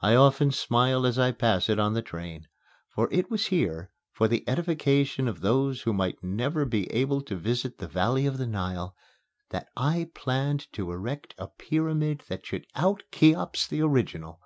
I often smile as I pass it on the train; for it was here, for the edification of those who might never be able to visit the Valley of the Nile, that I planned to erect a pyramid that should out Cheops the original.